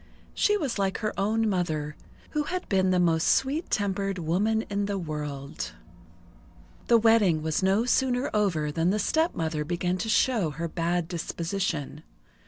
She was like her own mother, who had been the most sweet tempered woman in the world. The wedding was no sooner over than the stepmother began to show her bad disposition.